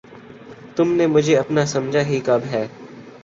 تم نے مجھے اپنا سمجھا ہی کب ہے!